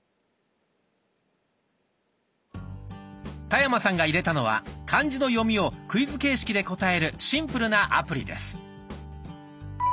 田山さんが入れたのは漢字の読みをクイズ形式で答えるシンプルなアプリです。